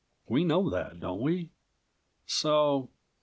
We know that, don't we? So